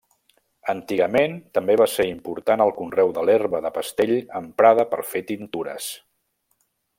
Antigament també va ser important el conreu de l'herba del pastell emprada per fer tintures.